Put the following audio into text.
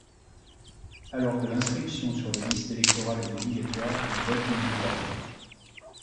Alors que l'inscription sur les listes électorales est obligatoire, le vote ne l'est pas.